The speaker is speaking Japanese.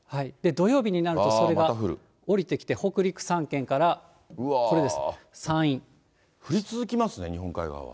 土曜日になるとそれが下りてきて、北陸３県から、これ降り続きますね、日本海側は。